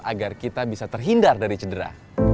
agar kita bisa terhindar dari cedera